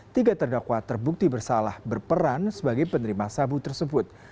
tiga terdakwa terbukti bersalah berperan sebagai penerima sabu tersebut